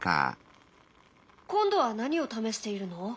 今度は何を試しているの？